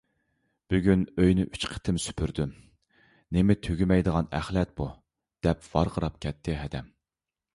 — بۈگۈن ئۆينى ئۈچ قېتىم سۈپۈردۈم، نېمە تۈگىمەيدىغان ئەخلەت بۇ؟ !— دەپ ۋارقىراپ كەتتى ھەدەم.